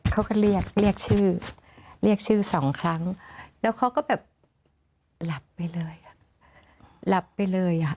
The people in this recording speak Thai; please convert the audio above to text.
เขาก็เรียกเรียกชื่อเรียกชื่อสองครั้งแล้วเขาก็แบบหลับไปเลยอ่ะหลับไปเลยอ่ะ